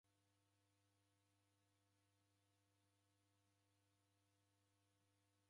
Ituku jimuJingi kusew'uye kuche kwapo.